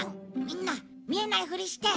みんな見えないふりして！